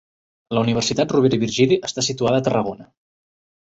La Universitat Rovira i Virgili està situada a Tarragona.